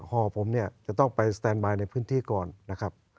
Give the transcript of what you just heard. ห่อผมเนี่ยจะต้องไปสแตนบายในพื้นที่ก่อนนะครับ